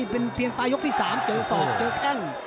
เป็นไฟล์ยกที่สามเจอซอสเจอแข้ง